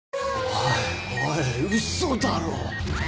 おいおいウソだろ！